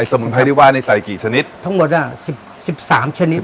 ไอ้สมุนไพรที่ว่านี่ใส่กี่ชนิดทั้งหมดอ่ะสิบสามชนิดนะครับ